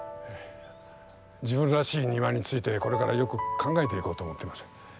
自分らしい庭についてこれからよく考えていこうと思ってます。